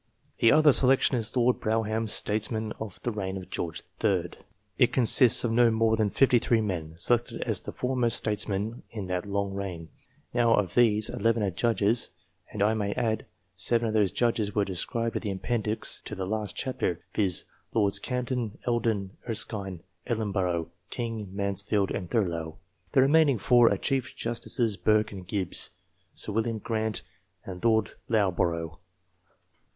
The other selection is Lord Brougham's H2 100 STATESMEN " Statesmen of the Reign of George III." It consists of no more than 53 men, selected as the foremost statesmen in that long reign. Now of these, 11 are judges and, I may add, 7 of those judges were described in the ap pendix to the last chapter, viz. Lords Camden, Eldon, Erskine, Ellenborough, King, Mansfield, and Thurlow. The remaining 4 are Chief Justices Burke and Gibbs, Sir William Grant, and Lord Loughborough.